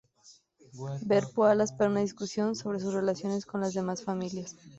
Ver Poales para una discusión sobre sus relaciones con las demás familias.